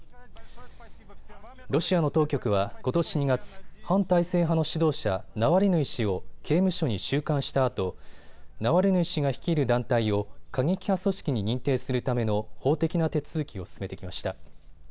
ロシアの当局はことし２月、反体制派の指導者、ナワリヌイ氏を刑務所に収監したあとナワリヌイ氏が率いる団体を過激派組織に認定するための法的な手続きを進めてきました。